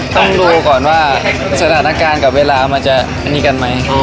ต้องดูก่อนว่าสถานการณ์กับเวลามันจะอันนี้กันไหม